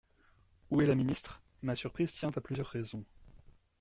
Où est la ministre ? Ma surprise tient à plusieurs raisons.